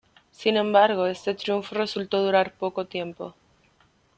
Sin embargo, este triunfo resultó durar poco tiempo.